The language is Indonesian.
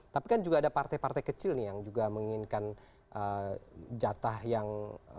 tapi kan juga ada partai partai kecil nih yang juga menginginkan jatah yang